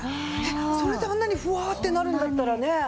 それであんなにフワーってなるんだったらね。